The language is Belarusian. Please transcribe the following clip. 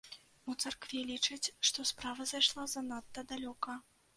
У царкве лічаць, што справа зайшла занадта далёка.